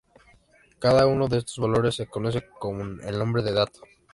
Cada uno de estos valores se conoce con el nombre de dato.